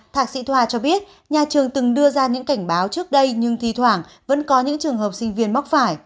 thạc sĩ thoa cho biết nhà trường từng đưa ra những cảnh báo trước đây nhưng thi thoảng vẫn có những trường hợp sinh viên mắc phải